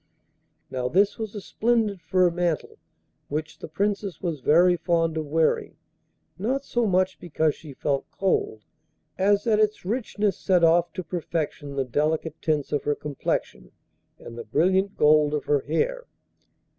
Now this was a splendid fur mantle which the Princess was very fond of wearing, not so much because she felt cold, as that its richness set off to perfection the delicate tints of her complexion and the brilliant gold of her hair.